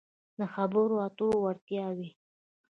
-د خبرو اترو وړتیاوې